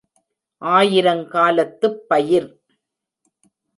‘ஆயிரங்காலத்துப் பயிர்’